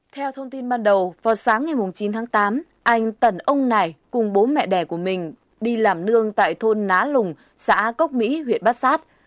theo thông tin ban đầu vào sáng ngày chín tháng tám anh tần ông này cùng bố mẹ đẻ của mình đi làm nương tại thôn ná lùng xã cốc mỹ huyện bát sát